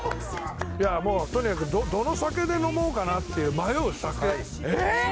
いやもうとにかくどの酒で飲もうかなっていう迷う酒えーっ！？